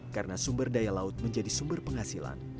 karena sumber daya laut menjadi sumber penghasilan